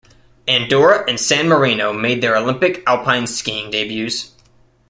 Andorra and San Marino made their Olympic alpine skiing debuts.